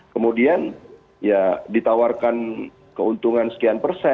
kemudian ya ditawarkan keuntungan sekian persen